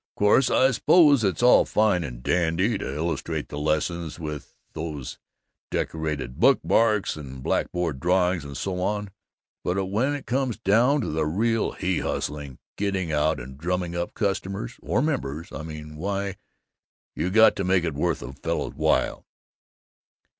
Course I suppose it's all fine and dandy to illustrate the lessons with these decorated book marks and blackboard drawings and so on, but when it comes down to real he hustling, getting out and drumming up customers or members, I mean, why, you got to make it worth a fellow's while.